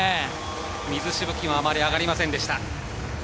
水しぶきはあまり上がりませんでした。